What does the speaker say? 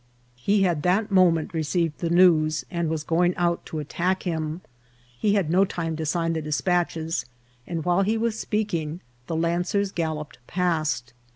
He had that moment received the news, and was going out to attack him. He had no time to sign the despatches, and while he was speaking the lancers galloped past.